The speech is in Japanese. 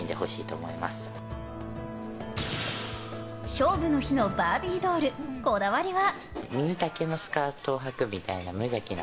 勝負の日のバービードールこだわりは。